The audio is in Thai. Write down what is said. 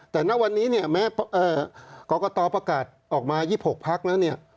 แต่ณวันนี้แม้กรกฎประกาศออกมา๒๖พักษณ์แล้ว